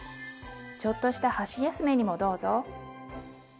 ちょっとした箸休めにもどうぞ。